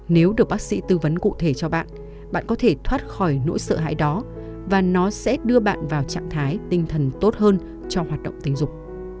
nếu được bác sĩ tư vấn cụ thể cho bạn bạn có thể thoát khỏi nỗi sợ hãi đó và nó sẽ đưa bạn vào trạng thái tinh thần tốt hơn cho hoạt động tình dục